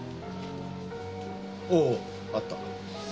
おおあった。